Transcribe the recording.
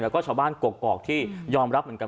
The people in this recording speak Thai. แล้วก็ชาวบ้านกกอกที่ยอมรับเหมือนกัน